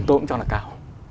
tôi cũng cho là cao